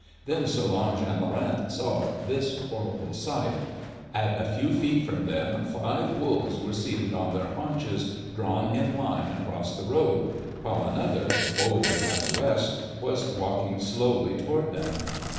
Then Solange and Laurent saw this horrible sight: at a few feet from them five wolves were seated on their haunches, drawn in line across the road, while another, bolder than the rest, was walking slowly toward them.